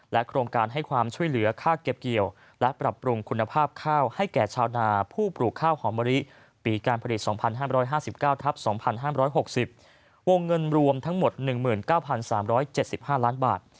โครงการให้ความช่วยเหลือค่าเก็บเกี่ยวและปรับปรุงคุณภาพข้าวให้แก่ชาวนาผู้ปลูกข้าวหอมมะลิปีการผลิต๒๕๕๙ทับ๒๕๖๐วงเงินรวมทั้งหมด๑๙๓๗๕ล้านบาท